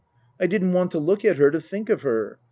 I didn't want to look at her, to think of her.